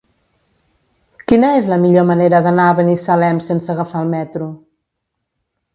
Quina és la millor manera d'anar a Binissalem sense agafar el metro?